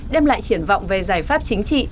đem lại triển vọng về giải pháp chính trị